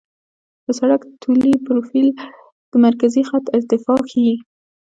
د سړک طولي پروفیل د مرکزي خط ارتفاع ښيي